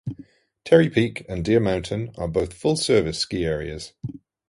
Terry Peak and Deer Mountain are both full service ski areas.